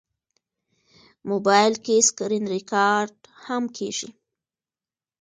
موبایل کې سکرینریکارډ هم کېږي.